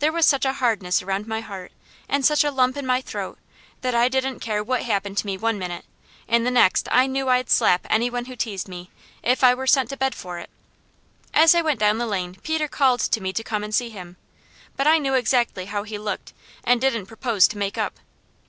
There was such a hardness around my heart, and such a lump in my throat, that I didn't care what happened to me one minute, and the next I knew I'd slap any one who teased me, if I were sent to bed for it. As I went down the lane Peter called to me to come and see him, but I knew exactly how he looked, and didn't propose to make up.